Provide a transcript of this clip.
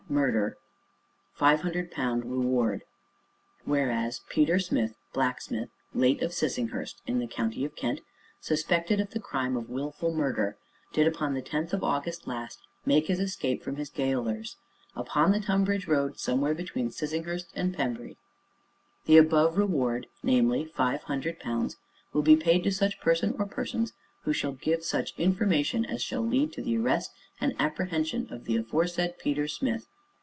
MURDER L500 REWARD WHEREAS, PETER SMITH, blacksmith, late of SISSINGHURST, in the county of Kent, suspected of the crime of WILFUL MURDER, did upon the Tenth of August last, make his escape from his gaolers, upon the Tonbridge road, somewhere between SISSINGHURST and PEMBRY; the above REWARD, namely, FIVE HUNDRED POUNDS, will be paid to such person, or persons who shall give such INFORMATION as shall lead to the ARREST, and APPREHENSION of the aforesaid PETER SMITH.